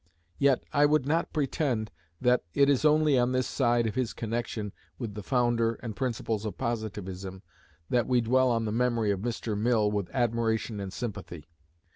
Yet I would not pretend that it is only on this side of his connection with the founder and principles of Positivism, that we dwell on the memory of Mr. Mill with admiration and sympathy.